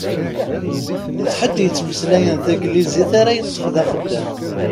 D ḥedd yettmeslayen taneglizit ara yeṭṭef d axeddam.